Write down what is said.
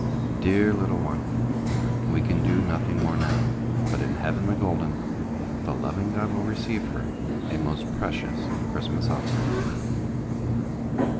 Dear little one! We can do nothing more now, but in Heaven the Golden the loving God will receive her, a most precious Christmas offering!